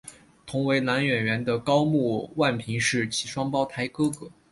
同为男演员的高木万平是其双胞胎哥哥。